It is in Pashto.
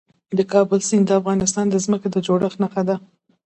د کابل سیند د افغانستان د ځمکې د جوړښت نښه ده.